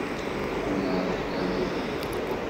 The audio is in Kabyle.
Ḥemmleɣ tiḥlawatin.